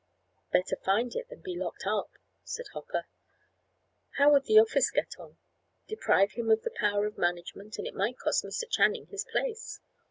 "Better find it than be locked up," said Hopper. "How would the office get on? Deprive him of the power of management, and it might cost Mr. Channing his place.